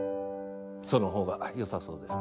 そのほうがよさそうですね。